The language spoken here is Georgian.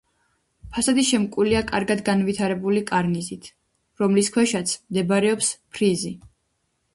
ფასადი შემკულია კარგად განვითარებული კარნიზით, რომლის ქვეშაც მდებარეობს ფრიზი.